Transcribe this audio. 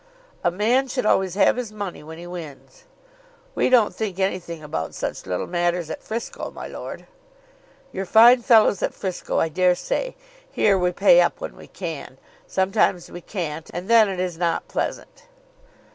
"A man should always have his money when he wins." "We don't think anything about such little matters at Frisco, my lord." "You're fine fellows at Frisco, I dare say. Here we pay up, when we can. Sometimes we can't, and then it is not pleasant."